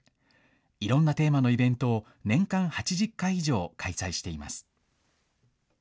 いろんなテーマのイベントを年間８０回以上開催しています。